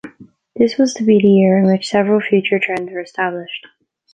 This was to be the year in which several future trends were established.